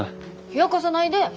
冷やかさないで。